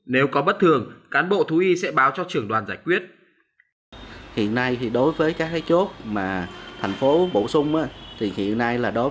nếu có bất thường cán bộ thú y sẽ báo